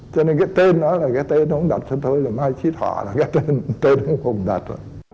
cho nên cái tên đó là cái tên ông đặt cho tôi là mai trí thọ là cái tên ông đặt